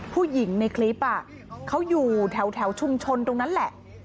ผู้หญิงในคลิปเขาอยู่แถวชุมชนตรงนั้นแหละ